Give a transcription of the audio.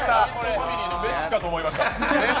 ファミリーのメッシかと思いました。